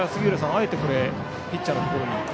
あえてピッチャーのほうに行く。